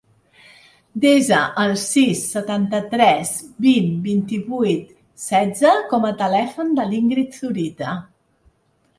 Desa el sis, setanta-tres, vint, vint-i-vuit, setze com a telèfon de l'Íngrid Zurita.